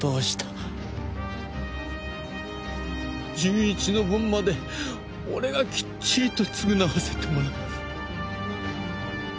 純一の分まで俺がきっちりと償わせてもらう。